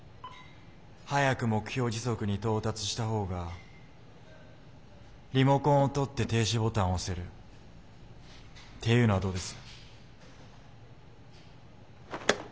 早く目標時速に到達した方がリモコンを取って「停止ボタン」を押せるっていうのはどうです？